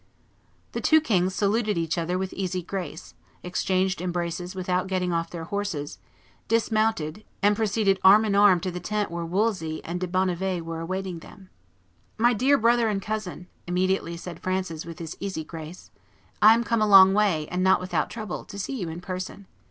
The two kings saluted each other with easy grace, exchanged embraces without getting off their horses, dismounted, and proceeded arm in arm to the tent where Wolsey and De Bonnivet were awaiting them. "My dear brother and cousin," immediately said Francis with his easy grace, "I am come a long way, and not without trouble, to see you in person.